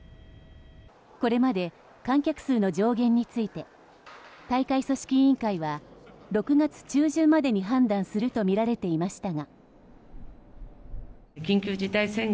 これまで観客数の上限について大会組織委員会は６月中旬までに判断するとみられていましたが。